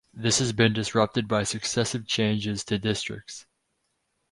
This has been disrupted by successive changes to districts.